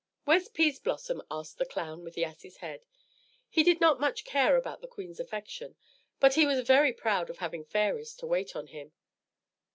"Where's Peaseblossom?" asked the clown with the ass's head. He did not care much about the queen's affection, but he was very proud of having fairies to wait on him.